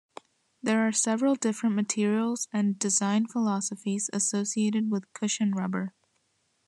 There are several different materials and design philosophies associated with cushion rubber.